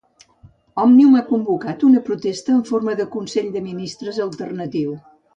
Òmnium ha convocat una protesta en forma de consell de ministres alternatiu.